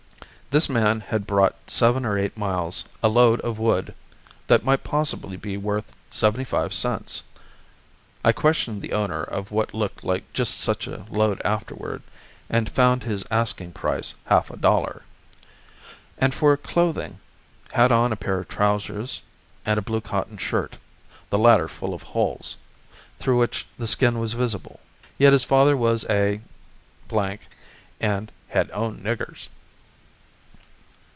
This man had brought seven or eight miles a load of wood that might possibly be worth seventy five cents (I questioned the owner of what looked like just such a load afterward, and found his asking price half a dollar), and for clothing had on a pair of trousers and a blue cotton shirt, the latter full of holes, through which the skin was visible; yet his father was a and had "owned niggers."